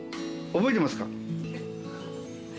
覚えてます？